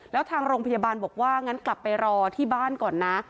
แล้วทางโรงพยาบาลบอกว่างั้นกลับไปรอที่บ้านก่อนนะ